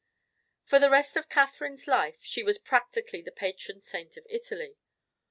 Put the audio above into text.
For the rest of Catherine's life she was practically the patron saint of Italy.